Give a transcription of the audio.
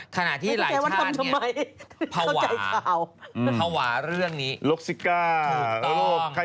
ขณะที่หลายชาติเนี่ย